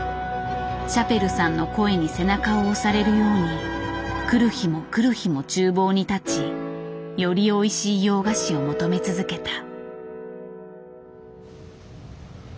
シャペルさんの声に背中を押されるように来る日も来る日も厨房に立ちよりおいしい洋菓子を求め続けた。